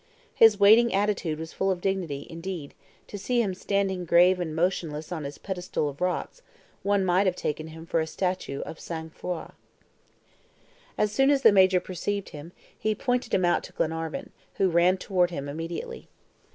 His waiting attitude was full of dignity; indeed, to see him standing grave and motionless on his pedestal of rocks, one might have taken him for a statue of sang froid. As soon as the Major perceived him, he pointed him out to Glenarvan, who ran toward him immediately.